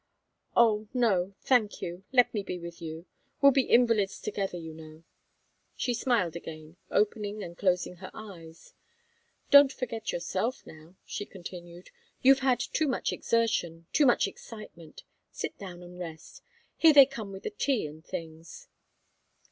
"Oh, no thank you let me be with you. We'll be invalids together, you know." She smiled again, opening and closing her eyes. "Don't forget yourself, now," she continued. "You've had too much exertion too much excitement sit down and rest here they come with the tea and things."